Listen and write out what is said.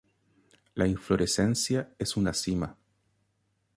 La inflorescencia es una cima.